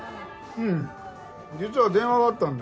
うん。